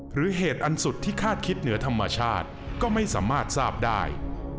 เหตุอันสุดที่คาดคิดเหนือธรรมชาติก็ไม่สามารถทราบได้